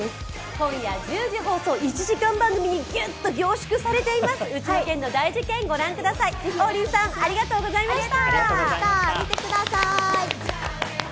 今夜１０時放送、１時間番組にギュッと凝縮されています、ご覧ください、王林さんありがとうございました。